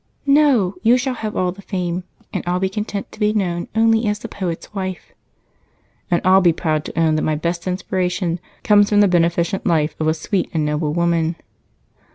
"No you shall have all the fame, and I'll be content to be known only as the poet's wife." "And I'll be proud to own that my best inspiration comes from the beneficent life of a sweet and noble woman."